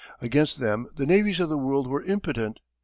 Against them the navies of the world were impotent.